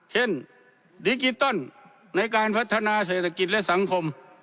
เช่นดิกิต์ต้นในการพัฒนาเศรษฐกิจและสังคม